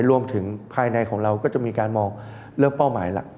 รวมถึงภายในของเราก็จะมีการมองเรื่องเป้าหมายหลัก